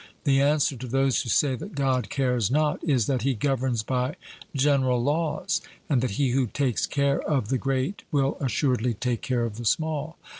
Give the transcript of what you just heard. The answer to those who say that God 'cares not,' is, that He governs by general laws; and that he who takes care of the great will assuredly take care of the small.